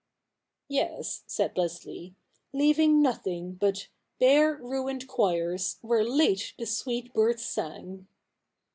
'Yes,' said Leslie, 'leaving nothing but Bare ruined choirs, where late the sweet birds sang.'